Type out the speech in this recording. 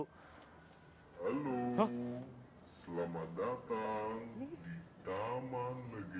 halo selamat datang di taman legenda